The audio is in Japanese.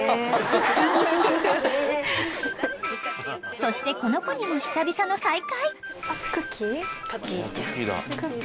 ［そしてこの子にも久々の再会］